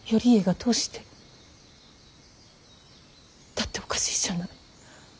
だっておかしいじゃない。